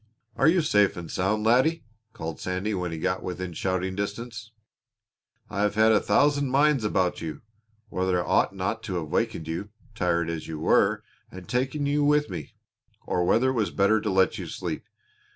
"Are you safe and sound, laddie?" called Sandy when he got within shouting distance. "I have had a thousand minds about you whether I ought not to have waked you, tired as you were, and taken you with me; or whether it was better to let you sleep.